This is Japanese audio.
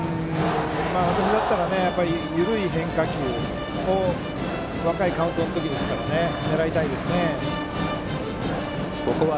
私なら緩い変化球を若いカウントの時ですから狙いたいですね。